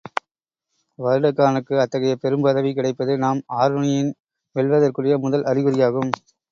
வருடகாரனுக்கு அத்தகைய, பெரும் பதவி கிடைப்பது நாம் ஆருணியின் வெல்வதற்குரிய முதல் அறிகுறியாகும்.